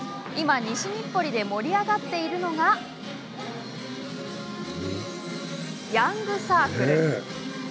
今、西日暮里で盛り上がっているのがヤングサークル。